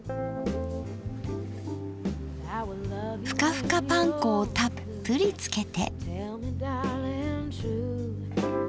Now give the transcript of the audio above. ふかふかパン粉をたっぷりつけて。